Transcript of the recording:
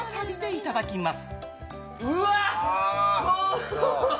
いただきます。